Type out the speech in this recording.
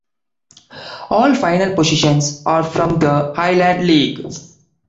All final positions are from the Highland League.